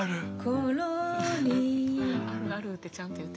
ころり「あるある」ってちゃんと言ってくれる。